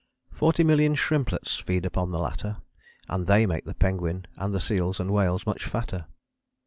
Forty million shrimplets feed upon the latter, And they make the penguin and the seals and whales Much fatter.